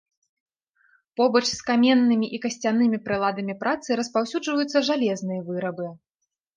Побач з каменнымі і касцянымі прыладамі працы распаўсюджваюцца жалезныя вырабы.